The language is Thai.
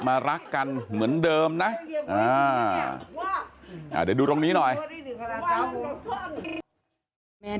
ว่าได้เห็นจะเขียนอืมนี่เรามันหัวก็มันเขียนเขียนอีกแล้วค่ะ